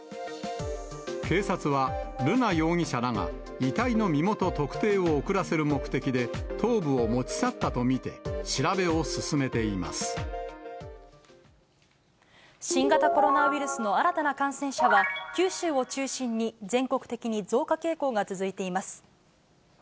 警察は、瑠奈容疑者らが遺体の身元特定を遅らせる目的で、頭部を持ち去っ新型コロナウイルスの新たな感染者は、九州を中心に、全国的に増加傾向が続いています。